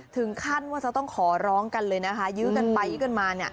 ถึงขั้นว่าจะต้องขอร้องกันเลยนะคะยื้อกันไปยื้อกันมา